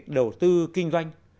đầu tư kinh doanh